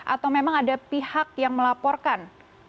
atau memang ada pihak yang melaporkan